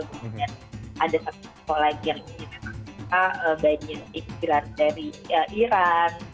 kemudian ada sebuah kolegi yang ingin membuat saya bayi istirahat dari iran